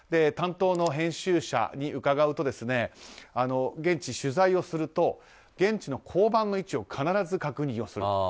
担当の編集者に伺うと現地取材をすると現地の交番の位置を必ず確認する。